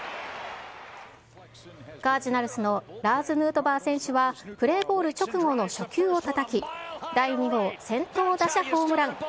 カージナルスのラーズ・ヌートバー選手は、プレーボール直後の初球をたたき、第２号先頭打者ホームラン。